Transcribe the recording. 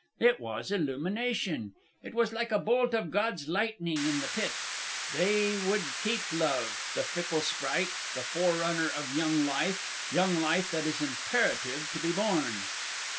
It was illumination. It was like a bolt of God's lightning in the Pit. They would keep Love, the fickle sprite, the forerunner of young life young life that is imperative to be born!